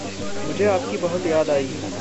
मुझे आपकी बहुत याद आयी।